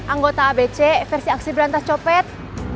anggota abc versi aksi berantas copet